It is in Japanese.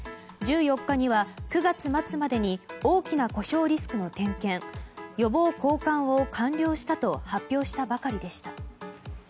１４日には９月末までに大きな故障リスクの点検予防交換を完了したと発表したばかりでした。